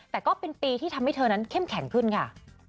แต่ก็เป็นปีที่ทำให้เธอนั้นเข้มแข็งขึ้นค่ะ